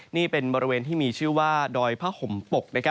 นี่เป็นบริเวณที่มีชื่อว่าดอยผ้าห่มปก